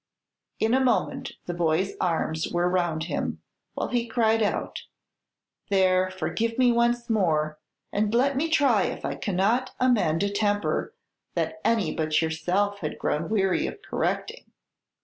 In a moment the boy's arms were around him, while he cried out, "There, forgive me once more, and let me try if I cannot amend a temper that any but yourself had grown weary of correcting.